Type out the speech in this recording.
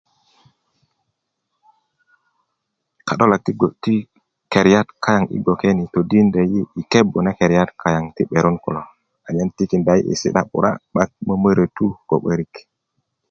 ka'dolak ti keriyat yi gboke todindö yi' yi kebu na keriyat kaŋ ti 'beron kulo anyen tikinda yi si'da 'bura 'baŋ mömörötu ko 'börik